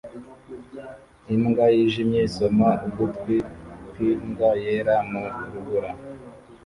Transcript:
Imbwa yijimye isoma ugutwi kwimbwa yera mu rubura